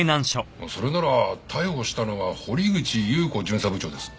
それなら逮捕したのは堀口裕子巡査部長です。